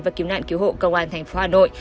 và cứu nạn cứu hộ công an thành phố hà nội